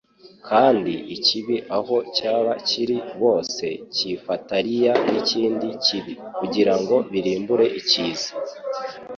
kandi ikibi aho cyaba kiri bose cyifatariya n'ikindi kibi, kugira ngo birimbure icyiza.